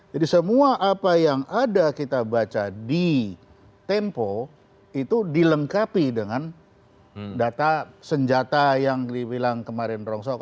jadi semua apa yang ada kita baca di tempo itu dilengkapi dengan data senjata yang dibilang kemarin rongsok